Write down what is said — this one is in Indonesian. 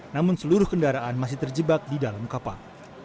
namun seluruh kendaraan masih terjebak di dalam kapal